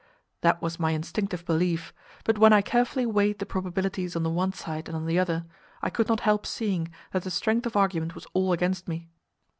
That was my instinctive belief, but when I carefully weighed the probabilities on the one side and on the other, I could not help seeing that the strength of argument was all against me.